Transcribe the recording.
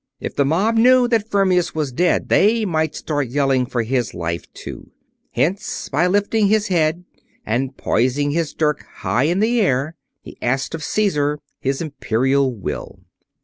If that mob knew that Fermius was dead, they might start yelling for his life, too. Hence, by lifting his head and poising his dirk high in air, he asked of Caesar his Imperial will.